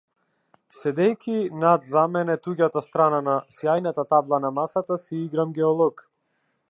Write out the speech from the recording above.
Седејќи над за мене туѓата страна на сјајната табла на масата си играм геолог.